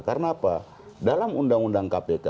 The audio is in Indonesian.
karena apa dalam undang undang kpk